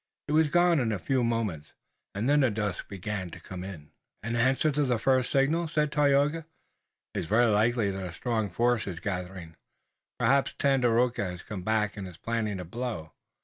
It was gone in a few moments, and then the dusk began to come. "An answer to the first signal," said Tayoga. "It is very likely that a strong force is gathering. Perhaps Tandakora has come back and is planning a blow."